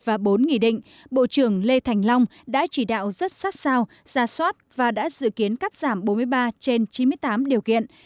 và bốn nghị định bộ trưởng lê thành long đã chỉ đạo rất sát sao ra soát và đã dự kiến cắt giảm bốn mươi ba trên chín mươi tám điều kiện